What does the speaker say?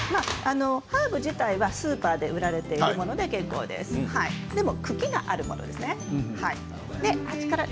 ハーブ自体はスーパーで売られているもので結構ですが茎があるものですね。